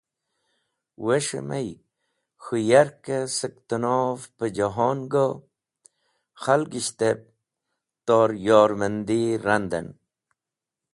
Wes̃hẽ may k̃hũ yarkẽ sek tẽnov pejẽhon go khalgieshtẽb tor yormandi randẽn.